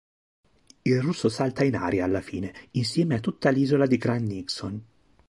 Il Russo salta in aria, alla fine, insieme a tutta l'isola di Grand Nixon.